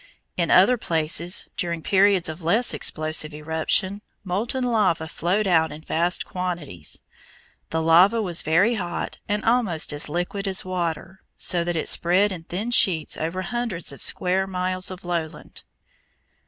In other places, during periods of less explosive eruption, molten lava flowed out in vast quantities. The lava was very hot and almost as liquid as water, so that it spread in thin sheets over hundreds of square miles of lowland.